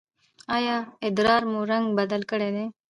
ایا ادرار مو رنګ بدل کړی دی؟